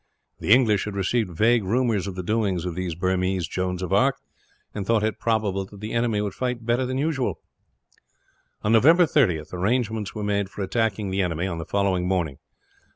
The English had received vague rumours of the doings of these Burmese Joans of Arc, and thought it probable that the enemy would fight better than usual. On November 30th, arrangements were made for attacking the enemy on the following morning.